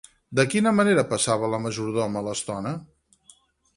De quina manera passava la majordona l'estona?